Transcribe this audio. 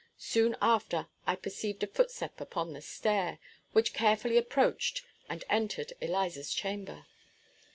Soon after, I perceived a footstep upon the stairs, which carefully approached, and entered Eliza's chamber.